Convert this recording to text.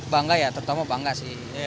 bangga ya terutama bangga sih